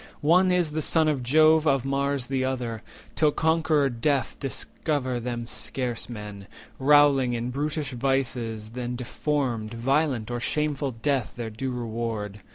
One is the son of Jove, of Mars the other; Till conqueror Death discover them scarce men, Rowling in brutish vices, and deformed, Violent or shameful death their due reward.